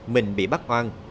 mình bị bắt hoang